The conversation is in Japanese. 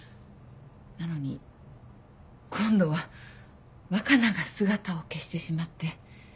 なのに今度は若菜が姿を消してしまって。